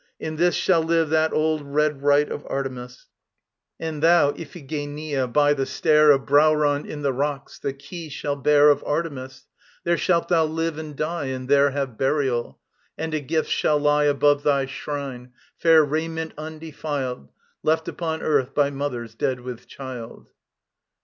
In this Shall live that old red rite of Artemis. And them, Iphigenia, by the stair Of Brauron in the rocks, the Key shalt bear Of Artemis. There shalt thou live and die, And there have burial. And a gift shall lie Above thy shrine, fair raiment undefiled Left upon earth by mothers dead with child.